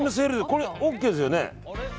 これＯＫですよね？